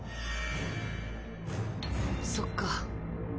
そっか。